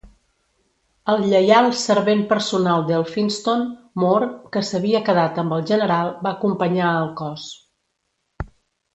El "lleial" servent personal d'Elphinstone, Moore, que s'havia quedat amb el general, va acompanyar a el cos.